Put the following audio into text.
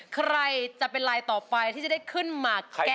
ใครจะเป็นลายต่อไปที่จะได้ขึ้นมาแก้